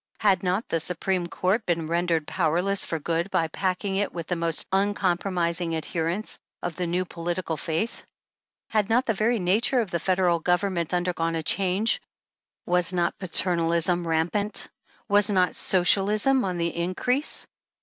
Had not the Su preme Court been rendered powerless for good by packing it with the most uncompromising adherents of the new political faith? Had not the very nature of the Federal Government undergone a change : Was not Paternalism rampant ? Was not Socialism on the increase?